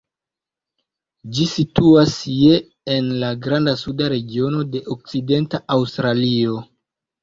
Ĝi situas je en la Granda Suda regiono de Okcidenta Aŭstralio.